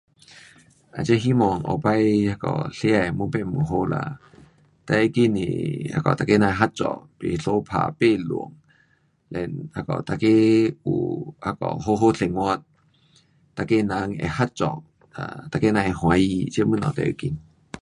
这希望后次那个世界会越变越好啦，最要紧是那个每个人会合作，不相打，不乱，and 那个每个人有那个好好生活，每个人会合作，啊，每个人会欢喜。这东西最要紧。